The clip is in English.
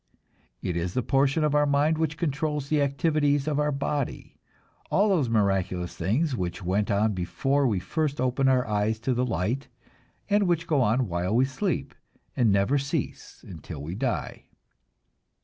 It is the portion of our mind which controls the activities of our body, all those miraculous things which went on before we first opened our eyes to the light, and which go on while we sleep, and never cease until we die.